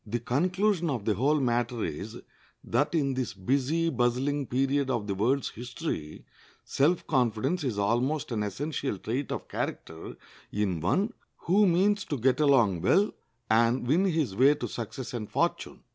The conclusion of the whole matter is, that in this busy, bustling period of the world's history self confidence is almost an essential trait of character in one who means to get along well and win his way to success and fortune.